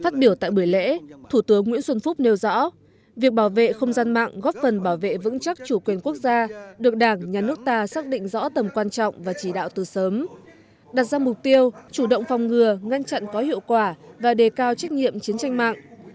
phát biểu tại buổi lễ thủ tướng nguyễn xuân phúc nêu rõ việc bảo vệ không gian mạng góp phần bảo vệ vững chắc chủ quyền quốc gia được đảng nhà nước ta xác định rõ tầm quan trọng và chỉ đạo từ sớm đặt ra mục tiêu chủ động phòng ngừa ngăn chặn có hiệu quả và đề cao trách nhiệm chiến tranh mạng